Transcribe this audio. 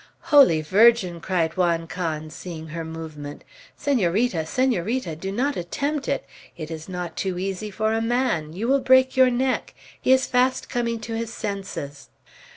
"Holy Virgin!" cried Juan Can, seeing her movement. "Senorita! Senorita! do not attempt it. It is not too easy for a man. You will break your neck. He is fast coming to his senses."